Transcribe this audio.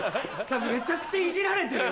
めちゃくちゃいじられてるよ